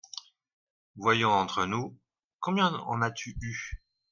Voyons, entre nous, combien en as-tu eu ?